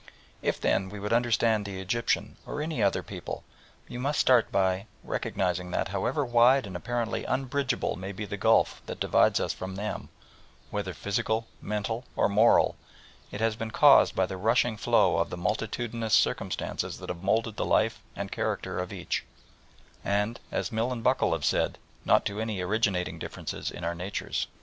If, then, we would understand the Egyptian or any other people, we must start by recognising that, however wide and apparently unbridgable may be the gulf that divides us from them, whether physical, mental, or moral, it has been caused by the rushing flow of the multitudinous circumstances that have moulded the life and character of each, and, as Mill and Buckle have said, not to any originating difference in our natures.